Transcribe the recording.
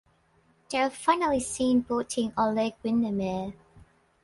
They are finally seen boating on Lake Windermere.